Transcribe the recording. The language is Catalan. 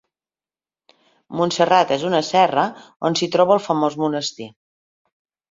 Montserrat és una serra on s'hi troba el famós monestir.